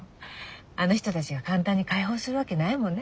あの人たちが簡単に解放するわけないもんね